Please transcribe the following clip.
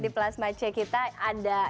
di plasma c kita ada